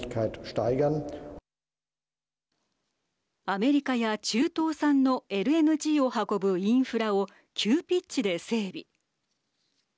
アメリカや中東産のＬＮＧを運ぶインフラを急ピッチで整備。